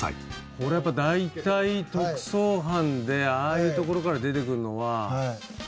これやっぱ大体特捜班でああいう所から出てくるのは。